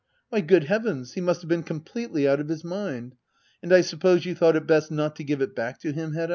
Why, good heavens, he must have been com pletely out of his mind ! And I suppose you thought it best not to give it back to him, Hedda